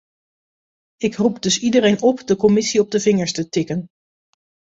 Ik roep dus iedereen op de commissie op de vingers te tikken.